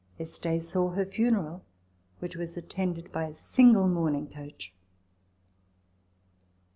Este saw her funeral, which was attended by a single mourning coach.